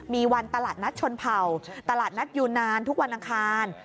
มีวันตลาดนัดชนเผ่าตลาดนัดยูนานทุกวันอังคาร